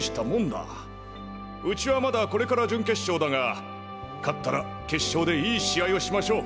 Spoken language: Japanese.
うちはまだこれから準決勝だが勝ったら決勝でいい試合をしましょう！